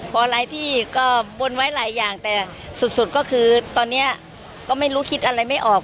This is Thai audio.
พอหลายที่ก็บนไว้หลายอย่างแต่สุดก็คือตอนนี้ก็ไม่รู้คิดอะไรไม่ออก